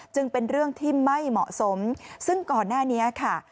จึงเป็นเรื่องที่ไม่เหมาะสมซึ่งก่อนหน้านี้ค่ะ